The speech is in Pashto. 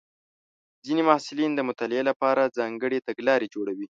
ځینې محصلین د مطالعې لپاره ځانګړې تګلارې جوړوي.